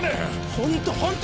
ホントホント！